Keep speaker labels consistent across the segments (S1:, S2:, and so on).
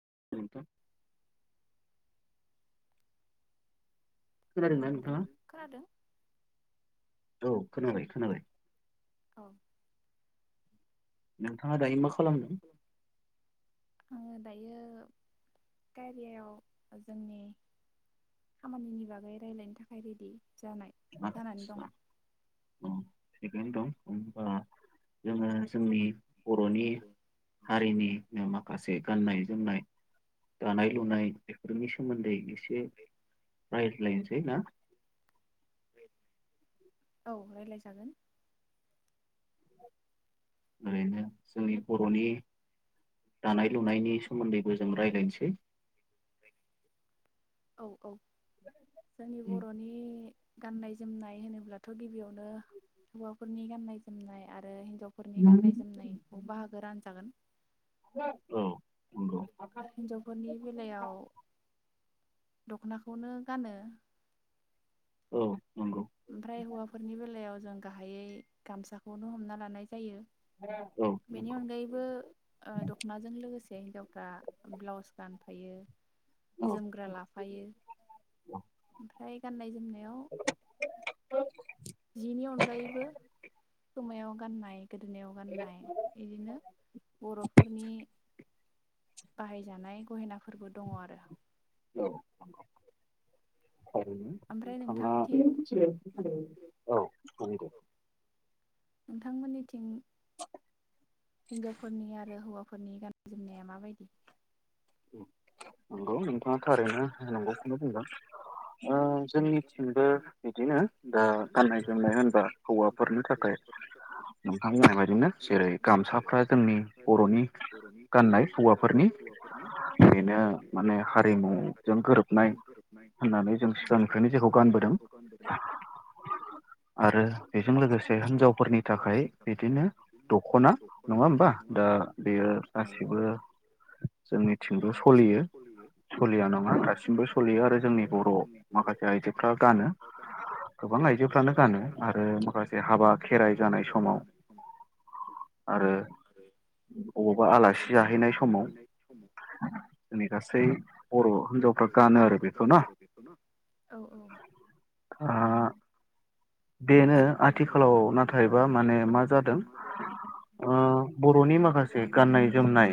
S1: [unintelligible]
S2: Hello नोंथां खोनादों
S1: औ खोनाबाय खोनाबाय नों नोंथाङा दायो मा खालामदों?
S2: दायो कारियाव जोंनि खामानिनि बागै रायलायनो थाखाय रेडि जानाय जानानै दं।
S1: थिगानो दं होमबा जोङो जोंनि बर'नि हारिनि माखासे गाननाय-जोमनाय, दानाय- लुनाय बेफोरनि सोमोनदै एसे रायज्लायनोसै ना?
S2: औ रायलाय जागोन।
S1: ओरैनो जोंनि बर'नि दानाय-लुनायनि सोमोनदैबो जों रायलायनोसै।
S2: औ औ जोंनि बर'नि गाननाय-जोमनाय होनोब्लाथ' गिबियावनो हौवाफोरनि गाननाय- जोमनाय आरो हि फोरनि गाननाय-जोमनाय बाहागो रान
S1: [unintelligible] औ
S2: हिनजावफोरनि बेलायाव दखनाखौनो गानो
S1: औ नंगौ
S2: ओमफ्राय हौवाफोरनि बेलायाव जों गाहायै गामसाखौनो हमना लानाय जायो बेनि अनगायैबो ओ दख'नाजों लोगोसे हिन्जावफ्रा ब्लाउस गानफायो जोमग्रा लाफायो ओमफ्राय गाननाय-जोमनाय
S1: [inaudible]
S2: जिनि अनगायैबो खोमायाव गाननाय गोदोनायाव गाननाय बिदिनो बर'फोरनि बाहायजानाय गहेनाफोरबो दङ आरो
S1: औ थारैनो नोंथाङा औ नंगौ
S2: नोंथांमोननिथिं हिन्जावफोरनि आरो हौवाफोरनि गाननाय जोमनाया माबायदि
S1: औ नंगौ नोंथाङा थारैनो। नंगौखौनो बुंदों। ओ जोंनिथिंबो बिदिनो दा गाननाय जोमनाय होनबा हौवाफोरनि थाखाय नोंथांमोना बायदिनो जेरै गामसाफ्रा जोंनि बर'नि गाननाय हौवाफोरनि बेनो माने हारिमुजों गोरोब नाय होननानै जों सिगांनिफ्रायनो जेखौ गानबोदों आरो बेजों लोगोसे हिनजावफोरनि थाखाय बिदिनो दख'ना नङा होमबा दा बेयो गासिबो जोंनिथिंबो' सोलियो सलिया नङा दासिमबो सोलियो आरो जोंनि बर' माखासे आइजोफ्रा गानो गोबां आइजोफ्रानो गानो आरो ओ माखासे हाबा खेराइ जानाय समाव आरो बबबा आलासि जाहैनाय समाव
S2: सम
S1: जोंनि गासै बर' हिनजावफ्रा गानो आरो बेखौ न? बेनो आथिखालाव नाथायबा माने मा जादों ओ बर'नि माखासे गाननाय जोमनाय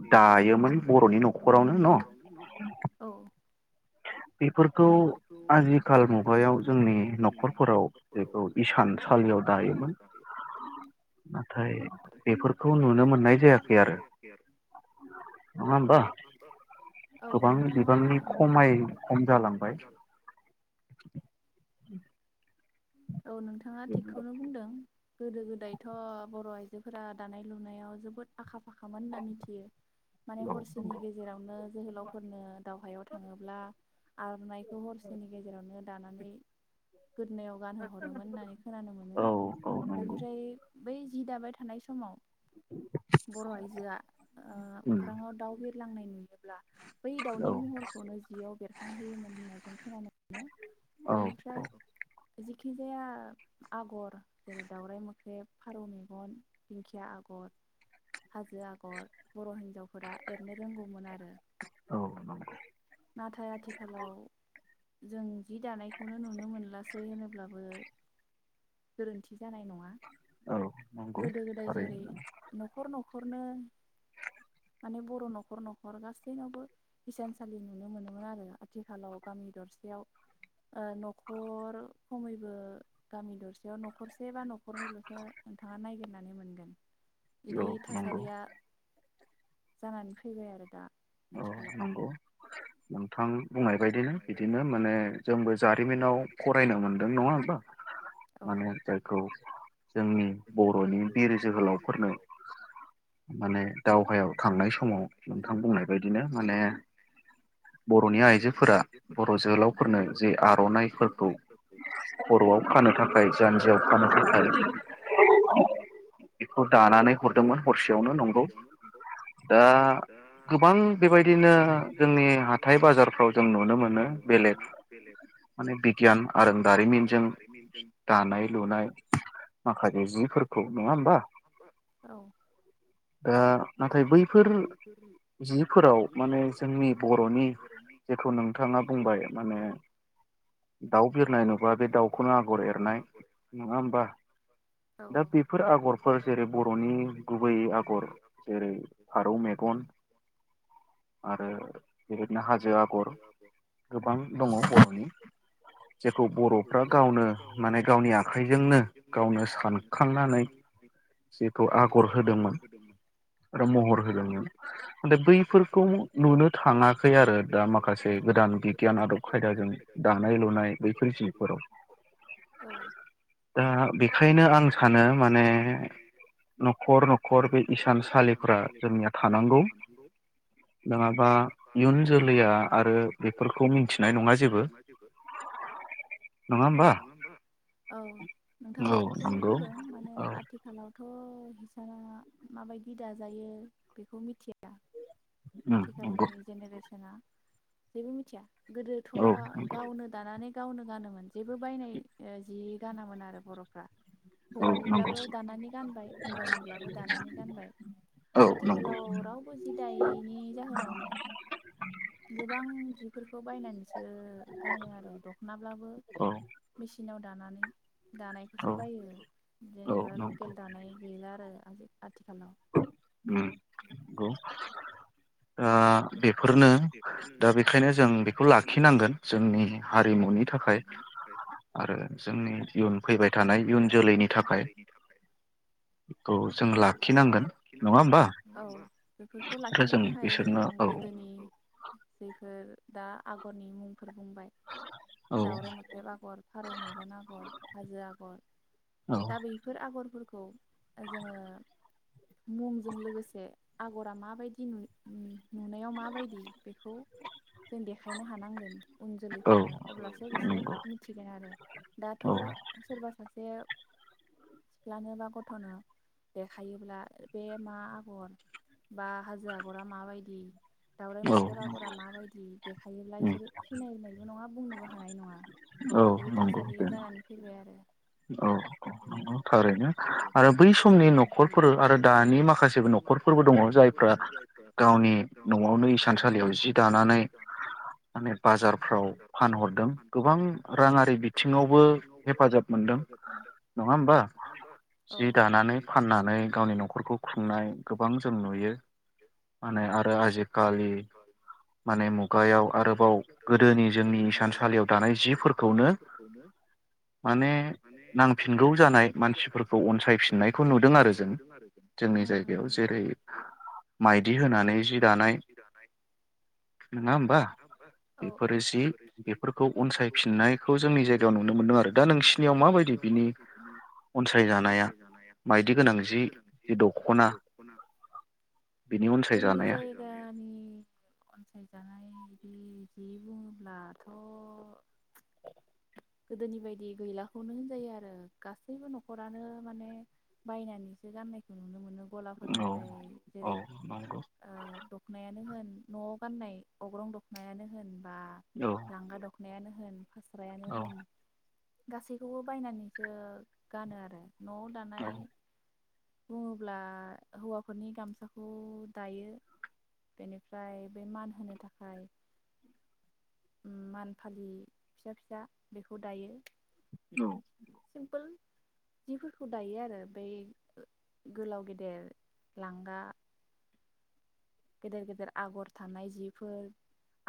S2: जेखौ दायोमोन बर'नि न'खरावनो न औ
S1: बेफोरखौ आजिखाल मुगायाव जोंनि न'खरफोराव जिखौ इसानसालियाव दायोमोन नाथाय बेफोरखौ नुनो मोननाय जायाखै आरो नङा होमबा गोबां बिबांनि खमाय खम जाला [unintelligible] ओम
S2: औ नोंथाङा थिगखौनो बुंदों। गोदो गोदायथ' बर' आइजोफोरा दानाय - लुनायाव जोबोद आखा फा आखा - फाखामोन होनना मिथियो माने हरसेनि गेजेरावनो जोहोलावफोरनो दावहायाव थांङोब्ला आर'नाइखौ हरसेनि गेजेरावनो दानानै गोदोनायाव गानहो हरोमोन होननानै खोनानो मोनो बेनिफ्राय बै जि दाबाय थानाय समाव बर' आइजोआ ओ अख्रांयाव दाउ बिरलांनाय [unintelligible] बै दाउनि महरखौनो जियाव बेरखांहोयोमोन होनना जों खोनानो मोनो बेनिफ्राय जिग जाय खिजाया आगर जेरै - दावराइ मोख्रेब, फारौ मेगन, दिंखिया आगर, हाजो आगर बर' हिजाव हिनजावफोरा एरनो रोंगौमोन आरो नाथाय आथिखालाव जों जि दानायखौनो नुनो मोनलासै होनोब्लाबो बो गोरोन्थि जानाय नङा। गोदो गोदाय जेरै न'खर - न'खर हरनो माने बर' न'खर न'खर गासैनावबो हिसानसालि नुनो मोनोमोन आरो आथिखालाव गामि दरसेयाव न'खर खमैबो गामि दरसेयाव न'खर से नसेबा नखरनैल सो नोंथांङा नागिरना बिदि थासारिया जानानै फैबाय आरो दा।
S1: औ नंगौ। नोंथां बुंनाय बायदिनो बिदिनो माने जोंबो जारिमिनाव फरायनो मोनदों नङा होमबा माने जायखौ जोंनि बर'नि बिर जोहोलावफोरनो माने दावहायाव थांनाय समाव नोंथां बुंनाय बेनो माने बर'नि आइजोफोरा बर' जोहोलावफोरनो जे आर'नाइफोरखौ खर'आव खानो थाखाय जान्जियाव खानो थाखाय बेखौ दानानै हरदोंमोन हरसेयावनो नंगौ दा? गोबां बेबायदिनो जोंनि हाथाय बाजार [unintelligible] जों नुनो मोनो बेलेग माने बिगियान आरो दारिमिनजों दानाय लुनाय माखासे जि फोरखौ नङा होमबा दा नाथाय बैफोर जि फोराव माने जोंनि बर'नि जेखौ नोंथांङा बुंबाय माने दाउ बिरनाय नुबा बे दाउखौनो आगर एरनाय नङा होमबा दा बेफोर आगरफोर जेरै बर'नि गुबै आगर जेरै फारौ मेगन आरो [unintelligible] बिनो हाजो आगर गोबां दङ बर'नि जेखौ बर'फ्रा गावनो माने गावनि आखाइजोंनो गावनो सानखांनानै जेखौ आगर होदोंमोन आरो महर होदोंमोन। बैफोरखौ नुनो थाङाखै आरो
S2: बिदिनो आरो दा माखासे गोदान बिगियाना द फायदों जानाय लुनाय जोंफोराव औ दा बेखायनो आं सानो माने न'खर न'खर बे इसानसालिफ्रा जोंनो थानांगौ।
S1: नङाबा इयुन
S2: इयुन जोलैया आरो बेफोरखौ मिथिनाय नङा जेबो नङा होमबा औ नोंथाङा थिगखौनो बुंदों माने आथिखालाव दाथ' हिसाना माबायदि दाजायो बेखौ मिथिया आथिखालनि जेनेरेसना जेबो मिथिया गोदोथ' गावनो दानानै गावनो गानोमोन जेबो बायनाय जि गानामोन आरो बर'फ्रा हौवानिब्लाबो दानानै गानबाय हिनजावनिब्लाबो दानानै गानबाय आथिखालाव रावबो जि दायि बेनि जाहोननावनो गोबां जिफोरखो बायनानैसो गानो आरो दखनाबालाबो मेसिनाव दानानै दानायखौसो बायो जेनेबा लकेल दानाय गैला आरो आथिखालाव
S1: उम नंगौ ओ बेफोरनो दा बेखायनो जों बेखौ लाखिनांगोन जोंनि हारिमुनि थाखाय आरो जोंनि इयुन फैबाय थानाय इयुन जोलैनि थाखाय बेखौ जों लाखिनांगोन
S2: औ बेफोरखौ लाखिनो थाखाय जों गोदोनि जेफोर दा आगरनि मुं फोर बुंबाय दाउराइ मोख्रेब आगर फारौ मेगन आगर हाजो आगर दा बैफोर आगरफोर खौ जोङो मुंजों लोगोसे आगरा माबायदि नुयो नुनायाव माबायदि बेखौ जों देखायनो हानांगोन उन जोलैफोरनो अब्लासो बिसोर मिथिगोन आरो दाथ' सोरबा सासे सिख्लानो बा गथ'नो देखायोब्ला बे मा आगर बा हाजो आगरा माबाय दि दाउराय मोख्रेब आगरा माबायदि देखायोब्ला इसोर सिनाय नाय नङा बुंनोबो हानाय नङा बिदि थासारि जानानै फैबाय आरो
S1: औ नंगौ थारैनो आरो बै समनि न'खरफोर आरो दानि माखासेबो न'खरफोरबो दङ जायफ्रा गावनि न'आवनो इसानसालियाव जि दानानै माने बाजारफ्राव फानहरदों गोबां राङारि बिथिङावबो हेफाजाब मोनदों नङा होमबा जि दानानै फाननानै गावनि न'खरखौ खुंनाय गोबां जों नुयो माने आरो आजिखालि माने मुगायाव आरोबाव गोदोनि जोंनि इसानसालियाव दानाय जिफोरखौनो ने नांफिनगौ जानाय मानसिफोरखौ अनसायफिननायखौ नुदों आरो जों जोंनि जायगायाव जेरै माइदि होनानै जि दानाय नङा होमबा बेफोरो जि बेफोरखौ अनसायफिननायखौ जोंनि जायगायाव नुनो मोनदों आरो दा नोंसिनियाव माबायदि बिनि
S2: अनसायजानाया माइदि गोनां जि जि दख'ना जोंनि जायगानि अनसायजानाय बिदि बुङोब्लाथ' गोदोनि बायदि गैलाखौनो होनजायो आरो गासैबो न'खरानो माने बायनानैसो गाननायखौ नुनो मोनो गलाफोरनिफ्राय जेरै ओ दख'नायानो होन न'आव गाननाय अग्रं दख'नायानो होन बा लांगा दखनायानो होन फास्रायानो बुं गासैखौबो बायनानै सो गानो आरो न'आव दानाय बुङोब्ला हौवाफोरनि गामसाखौ दायो बेनिफ्राय बै मान होनो थाखाय मान फालि फिसा फिसा बेखौ दायो। सिमपोल जिफोरखौ दायो आरो बै गोलाव गेदेर लांगा गेदेर गेदेर आगर थानाय जिफोर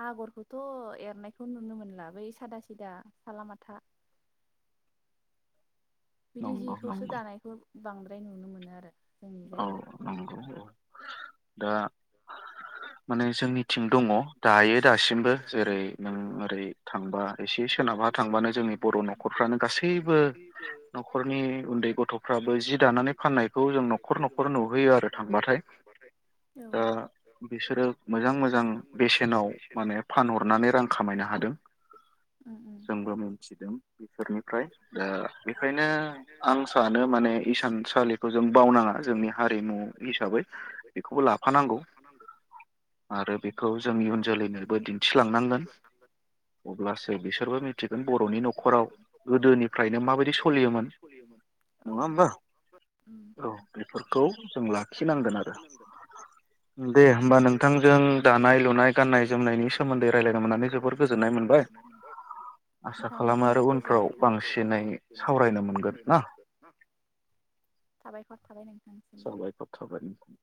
S2: आगरखौथ' एरनायखौ नुनो मोनला बै सादा सिदा सालामाथा बिदि जिखौसो दानायखौ बांद्राय नु नुनो मोनो आरो।
S1: औ नंगौ औ दा माने जोंनिथिं दङ दायो दासिमबो जेरै नों ओरै थांबा एसे सोनाबहा थांबानो जोंनि बर' न'खरफ्रानो गासैबो न'खरनि उन्दै गथ'फ्राबो जि दानानै फाननायखौ जों न' न'खर न'खर नुहैयो आरो थांबाथाय ओ बिसोरो मोजां मोजां बेसेनाव माने फानहरनानै रां खामायनो हादों जोंबो मिथिदों। सोरनिफ्राय ओ बेखायनो आं सानो माने इसानसालिखौ जों बावनाङा जोंनि हारिमु हिसाबै बेखौबो लाफानांगौ आरो बेखौ जों उन जोलैनोबो दिन्थिलांनांगोन अब्लासो बिसोरबो मिथिगोन बर'नि न'खराव गोदोनिफ्रायनो माबायदि सलियोमोन नङा होमबा? औ बेफोरखौ जों लाखिनांगोन आरो दे होमबा नोंथांजों दानाय लुनाय गान्नाय जोमनायनि सोमोन्दै रायलायनो मोननानै जोबोर गोजोननाय मोनबाय आसा खालामो। आरो उन
S2: जोननाय थाबाय [unintelligible] साबायखर थाबाय।
S1: साबायखर थाबाय नोंथां।